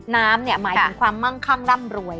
น้ำเนี่ยหมายถึงความมั่งคั่งร่ำรวย